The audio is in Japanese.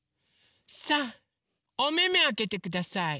さあおめめあけてください。